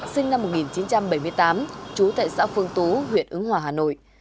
sinh năm một nghìn chín trăm bảy mươi tám trú tại xã phương tú huyện ứng hòa hà nội